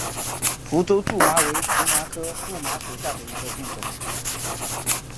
福州苎麻为荨麻科苎麻属下的一个变种。